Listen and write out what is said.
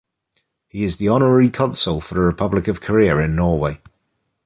He is the Honorary Consul for the Republic of Korea in Norway.